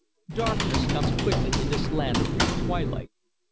Darkness comes quickly in this land of brief twilight.